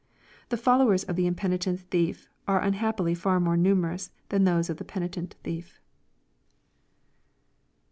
The followers of the impenitent thief are unhappily far more numerous than those of the penitent tliief.